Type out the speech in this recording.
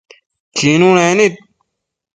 Chinunec nid